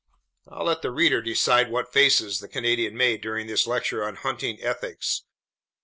I'll let the reader decide what faces the Canadian made during this lecture on hunting ethics.